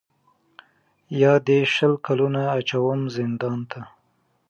یا دي شل کلونه اچوم زندان ته